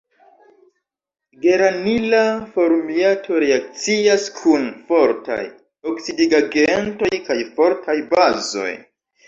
Geranila formiato reakcias kun fortaj oksidigagentoj kaj fortaj bazoj.